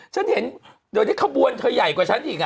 ฉันเห็นเดี๋ยวนี้ขบวนเธอใหญ่กว่าฉันอีก